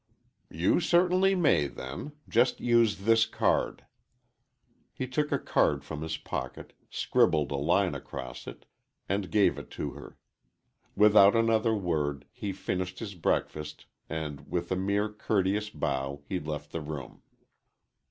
"You certainly may, then. Just use this card." He took a card from his pocket, scribbled a line across it, and gave it to her. Without another word, he finished his breakfast, and with a mere courteous bow, he left the room.